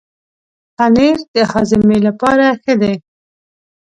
پنېر د هاضمې لپاره ښه دی.